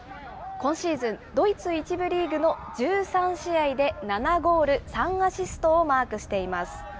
今シーズン、ドイツ１部リーグの１３試合で７ゴール３アシストをマークしています。